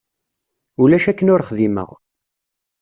Ulac akken ur xdimeɣ.